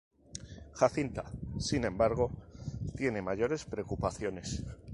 Jacinta, sin embargo, tiene mayores preocupaciones.